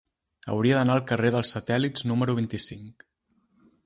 Hauria d'anar al carrer dels Satèl·lits número vint-i-cinc.